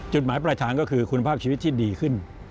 จุดหมายปลายทางก็คือคุณภาพชีวิตที่ดีขึ้น